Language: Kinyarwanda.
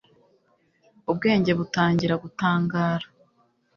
ubwenge butangira gutangara